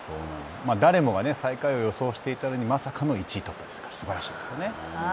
誰もが最下位を予想していたのにまさかの１位ですからすばらしいですよね。